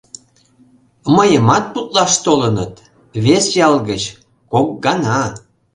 Мыйымат путлаш толыныт, вес ял гыч, кок гана.